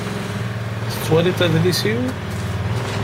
Tettwaliḍ adlis-iw?